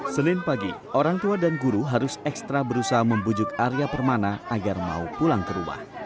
senin pagi orang tua dan guru harus ekstra berusaha membujuk arya permana agar mau pulang ke rumah